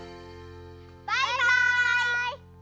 バイバイ！